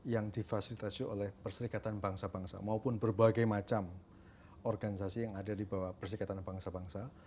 yang difasilitasi oleh perserikatan bangsa bangsa maupun berbagai macam organisasi yang ada di bawah perserikatan bangsa bangsa